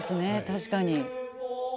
確かに。